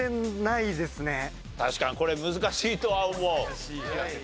確かにこれ難しいとは思う。